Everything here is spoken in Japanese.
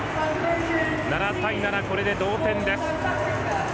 ７対７、これで同点です。